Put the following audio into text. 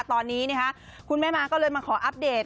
ตอนนี้คุณแม่ม้าก็เลยมาขออัปเดต